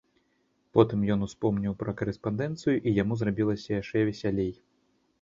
Потым ён успомніў пра карэспандэнцыю, і яму зрабілася яшчэ весялей.